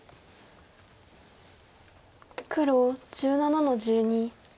黒１７の十二。